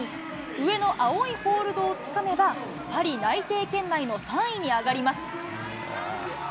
上の青いホールドをつかめば、パリ内定圏内の３位に上がります。